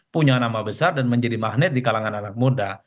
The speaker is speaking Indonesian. punya nama besar dan menjadi magnet di kalangan anak muda